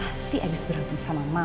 pasti habis berhutang sama mama